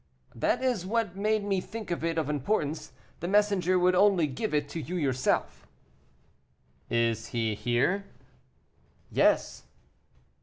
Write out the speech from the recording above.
"That is what made me think it of importance; the messenger would only give it to you yourself." "Is he here?" "Yes."